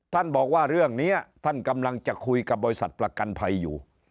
บอกว่าเรื่องนี้ท่านกำลังจะคุยกับบริษัทประกันภัยอยู่